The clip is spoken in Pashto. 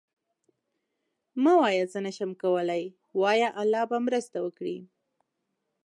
مه وایه زه نشم کولی، وایه الله به مرسته وکړي.